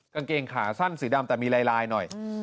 กางเกงขาสั้นสีดำแต่มีลายหน่อย